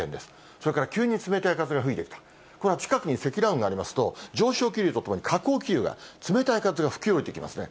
それから急に冷たい風が吹いてきた、これは近くに積乱雲がありますと、上昇気流とともに下降気流が、冷たい風が吹き降りてきますね。